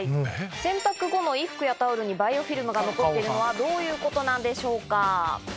洗濯後の衣服やタオルにバイオフィルムが残ってるのはどういうことなんでしょうか？